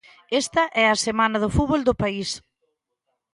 Esta é a semana do fútbol do país.